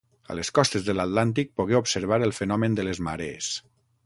A les costes de l'Atlàntic pogué observar el fenomen de les marees.